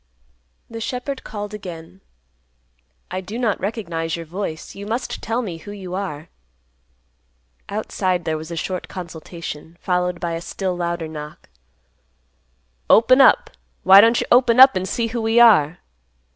The shepherd called again, "I do not recognize your voice. You must tell me who you are." Outside there was a short consultation, followed by a still louder knock; "Open up. Why don't you open up an' see who we are?"